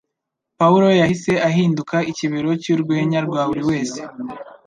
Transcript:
Pawulo yahise ahinduka ikibero cyurwenya rwa buri wese